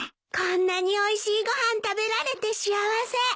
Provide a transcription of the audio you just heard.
こんなにおいしいご飯食べられて幸せ。